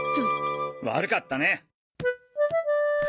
悪かったね！